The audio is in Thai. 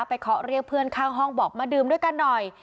เคาะเรียกเพื่อนข้างห้องบอกมาดื่มด้วยกันหน่อย